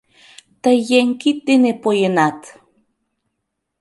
Тый еҥ кинде дене поенат!..